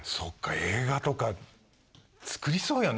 映画とか作りそうよね